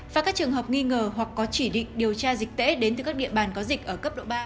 và các trường hợp nghi ngờ hoặc có chỉ định điều tra dịch tễ đến từ các địa bàn có dịch ở cấp độ ba